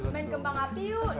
main kembang api yuk